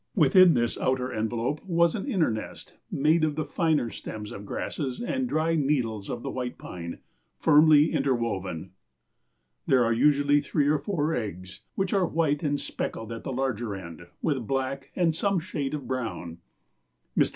Within this outer envelope was an inner nest, made of the finer stems of grasses and dry needles of the white pine, firmly interwoven." There are usually either three or four eggs, which are white and speckled at the larger end, with black or some shade of brown. Mr.